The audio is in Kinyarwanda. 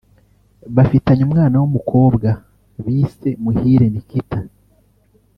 bafitanye umwana w’umukobwa bise Muhire Nikita